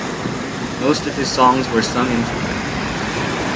Most of his songs were sung in Twi.